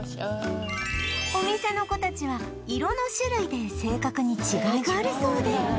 お店の子たちは色の種類で性格に違いがあるそうで